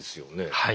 はい。